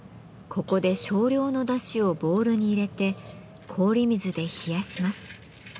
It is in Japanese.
ここで少量のだしをボウルに入れて氷水で冷やします。